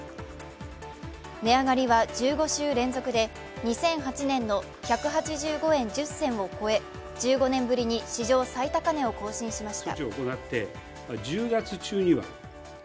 値上がりは１５週連続で、２００８年の１８５円１０銭を超え、１５年ぶりに史上最高値を更新しました。